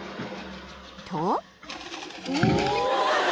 ［と］